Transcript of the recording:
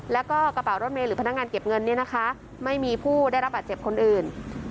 แล้วก็กระเป๋ารถเมย์หรือพนักงานเก็บเงินเนี่ยนะคะไม่มีผู้ได้รับบาดเจ็บคนอื่น